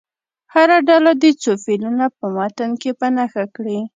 هره ډله دې څو فعلونه په متن کې په نښه کړي.